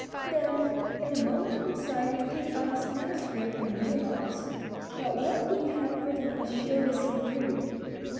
Then in a moment of insight he picked up his manuscript and realised that what he had written was childishly crude.